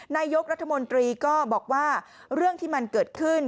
นายกรัฐมนตรีก็บอกว่าเรื่องที่มันเกิดขึ้น